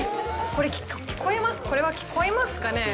これは聞こえますかね。